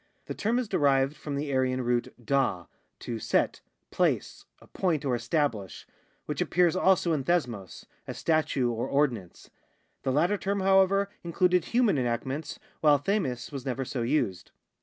The term is derived from the Aryan root DHA, to set, place, appoint, or establish, which appears also in deanoQ, a statute or ordinance.* This latter term, how ever, included human enactments, while Ofuii; was never so used.